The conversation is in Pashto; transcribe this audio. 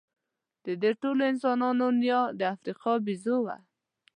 د دې ټولو انسانانو نیا د افریقا بیزو وه.